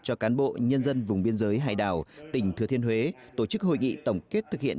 cho cán bộ nhân dân vùng biên giới hải đảo tỉnh thừa thiên huế tổ chức hội nghị tổng kết thực hiện